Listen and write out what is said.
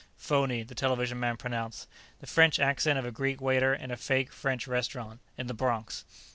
"Phony," the television man pronounced. "The French accent of a Greek waiter in a fake French restaurant. In the Bronx."